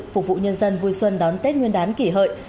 phục vụ nhân dân vui xuân đón tết nguyên đán kỷ hợi